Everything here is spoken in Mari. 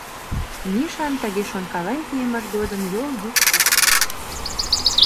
Мишан тыге шонкален кийымыж годым йол йӱк шоктыш.